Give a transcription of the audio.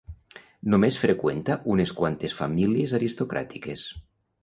Només freqüenta unes quantes famílies aristocràtiques.